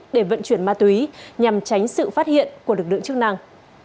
để vận chuyển ma túy nhằm tránh sự phát hiện của lực lượng chức năng